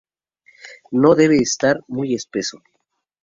No debe estar muy espeso.